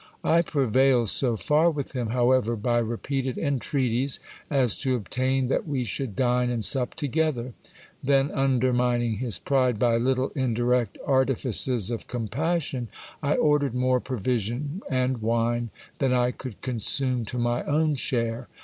I prevailed so far with him, however, by repeated en treaties, as to obtain that we should dine and sup together : then, undermining his pride by little indirect artifices of compassion, I ordered more provision and wine than I could consume to my own share.